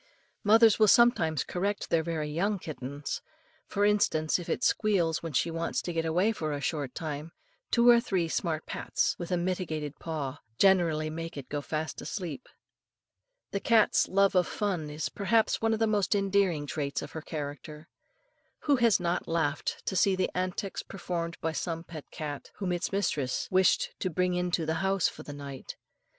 Mothers will sometimes correct their very young kittens; for instance, if it squeals when she wants to get away for a short time, two or three smart pats with a mittened paw generally make it go fast asleep. The cat's love of fun is perhaps one of the most endearing traits in her character. Who has not laughed to see the antics performed by some pet cat, whom its mistress wished to bring into the house for the night.